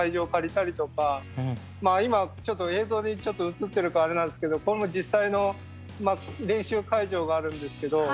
今映像でちょっと映ってるかあれなんですけど実際の練習会場があるんですけど。